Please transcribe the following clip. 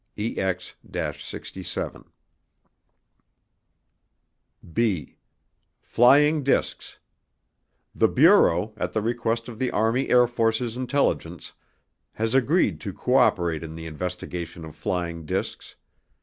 EX 67] (B) FLYING DISCS The Bureau, at the request of the Army Air Forces Intelligence, has agreed to cooperate in the investigation of flying discs.